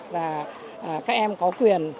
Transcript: và các em có quyền